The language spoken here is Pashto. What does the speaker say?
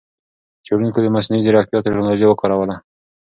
څېړونکو د مصنوعي ځېرکتیا ټکنالوجۍ وکاروله.